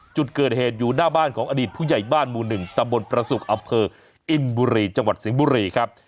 จุดเกิดเหตุอยู่หน้าบ้านของอดีตผู้ใหญ่บ้านหมู่๑ตำบลประสุกอำเภออินบุรีจังหวัดสิงห์บุรีครับ